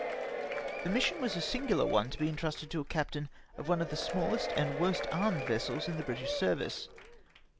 The mission was a singular one to be entrusted to the captain of one of the smallest and worst armed vessels in the British service.